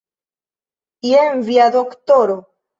Jen kia doktoro!